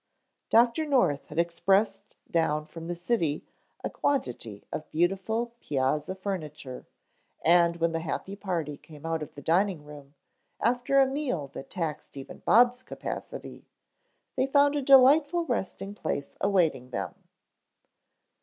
Dr. North had expressed down from the city a quantity of beautiful piazza furniture and when the happy party came out of the dining room after a meal that taxed even Bob's capacity, they found a delightful resting place awaiting them.